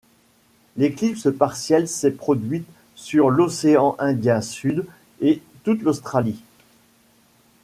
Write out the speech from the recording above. L'éclipse partielle s'est produite sur l'océan Indien Sud et toute l'Australie.